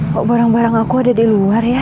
kok barang barang aku ada di luar ya